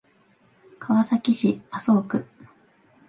川崎市麻生区